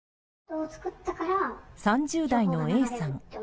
３０代のＡさん。